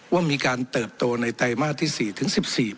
ว่ามีการเติบโตในไตรมาสที่๔ถึง๑๔